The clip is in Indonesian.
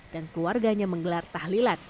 dan keluarganya menggelar tahlilat